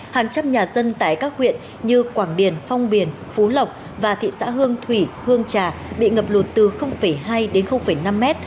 hàng trăm nhà dân tại các huyện như quảng điền phong biển phú lộc và thị xã hương thủy hương trà bị ngập lụt từ hai năm m